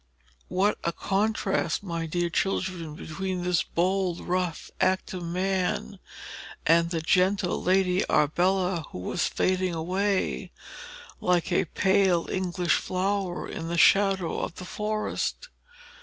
What a contrast, my dear children, between this bold, rough, active man, and the gentle Lady Arbella, who was fading away, like a pale English flower, in the shadow of the forest!